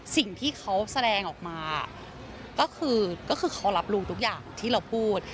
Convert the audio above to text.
สิ่งที่เขาแสดงออกมาก็คือเขารับรู้ทุกอย่างที่เราพูด